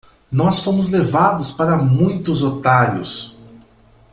Nós fomos levados para muitos otários!